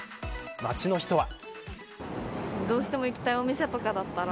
街の人は。